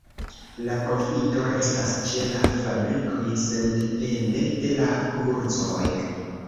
La profito restas ĉe la fabrikoj sendepende de la kurzoj.